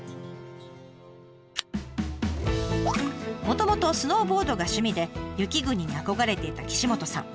もともとスノーボードが趣味で雪国に憧れていた岸本さん。